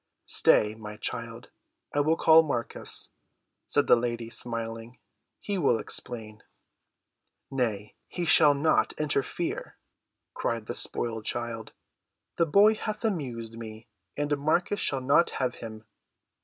"Stay, my child, I will call Marcus," said the lady, smiling. "He will explain." "Nay, he shall not interfere," cried the spoiled child. "The boy hath amused me, and Marcus shall not have him.